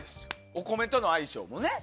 お米との相性もね。